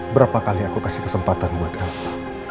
berapa kali aku kasih kesempatan buat elsa